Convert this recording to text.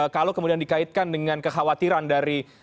kalau kemudian dikaitkan dengan kekhawatiran dari